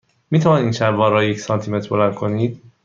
می توانید این شلوار را یک سانتی متر بلند کنید؟